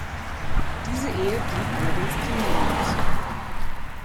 Diese Ehe blieb allerdings kinderlos.